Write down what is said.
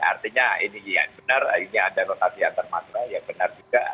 artinya ini yang benar ini ada rotasi antarmatra yang benar juga